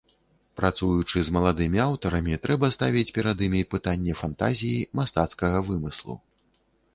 Працуючы з маладымі аўтарамі, трэба ставіць перад імі пытанне фантазіі, мастацкага вымыслу.